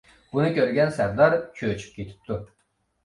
بۇنى كۆرگەن سەردار چۆچۈپ كېتىپتۇ.